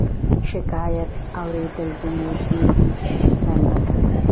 شکایت اوریدل د مدیر دنده ده